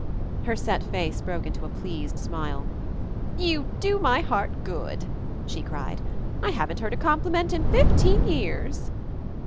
Her set face broke into a pleased smile. "You do my heart good!" she cried. "I haven't heard a compliment in fifteen years."